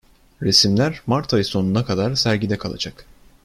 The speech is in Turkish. Resimler Mart ayı sonuna kadar sergide kalacak.